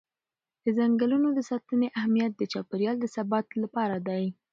د ځنګلونو د ساتنې اهمیت د چاپېر یال د ثبات لپاره دی.